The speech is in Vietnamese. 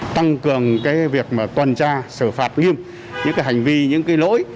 tăng cường việc tuần tra xử phạt nghiêm những hành vi những lỗi